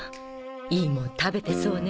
いいモン食べてそうね